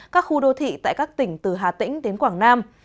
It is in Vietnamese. các khu đô thị tại các tỉnh từ hà tĩnh đến quảng nam